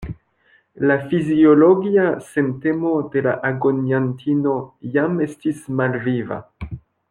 La fiziologia sentemo de la agoniantino jam estis malviva.